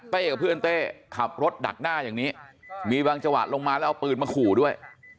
กับเพื่อนเต้ขับรถดักหน้าอย่างนี้มีบางจังหวะลงมาแล้วเอาปืนมาขู่ด้วย